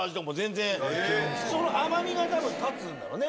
その甘みが多分立つんだろうね